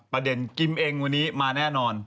ประเด็นกิมเองวันนี้มาแน่นอน